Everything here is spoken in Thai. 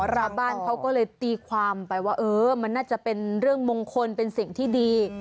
ราบ้านเขาก็เลยตีความไปว่าเออมันน่าจะเป็นเรื่องมงคลเป็นสิ่งที่ดี